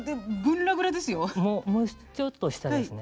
もうちょっと下ですね。